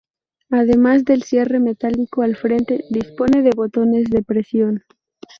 Además del cierre metálico al frente, dispone de botones de presión.